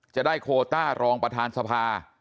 จะได้โคต้ารองประธานสภา